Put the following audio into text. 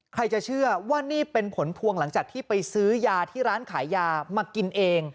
ใครจะเชื่อว่านี่เป็นผลพวงหลังจากที่ไปซื้อยาที่ร้านขายยามากินเอง